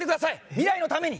未来のために！